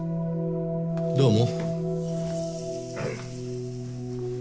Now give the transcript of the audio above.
どうも。